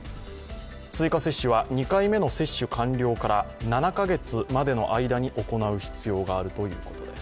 追加接種は２回目の接種完了から７カ月までの間に行う必要があるということです。